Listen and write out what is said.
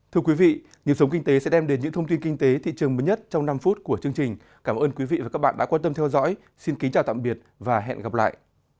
thưa quý vị nhiệm sống kinh tế sẽ đem đến những thông tin kinh tế thị trường mới nhất trong năm phút của chương trình cảm ơn quý vị và các bạn đã quan tâm theo dõi xin kính chào tạm biệt và hẹn gặp lại